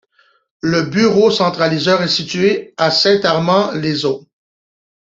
Le bureau centralisateur est situé à Saint-Amand-les-Eaux.